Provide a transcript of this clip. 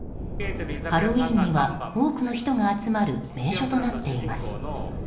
ハロウィーンには多くの人が集まる名所となっています。